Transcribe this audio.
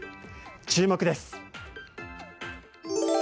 注目です。